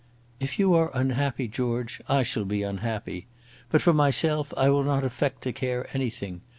"If you are unhappy, George, I shall be unhappy. But for myself I will not affect to care anything.